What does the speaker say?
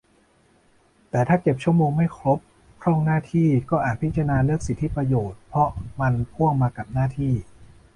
แต่ถ้าเก็บชั่วโมงไม่ครบ พร่องหน้าที่ ก็อาจพิจารณาเลิกสิทธิประโยชน์ เพราะมันพ่วงมากับหน้าที่